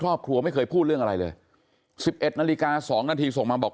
ครอบครัวไม่เคยพูดเรื่องอะไรเลย๑๑นาฬิกา๒นาทีส่งมาบอก